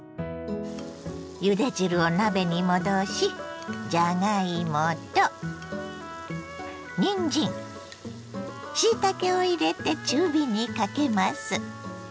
ゆで汁を鍋に戻しじゃがいもとにんじんしいたけを入れて中火にかけます。